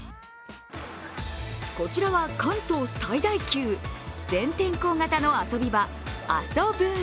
こちらは関東最大級全天候型の遊び場ＡＳＯＢｏｏＮ。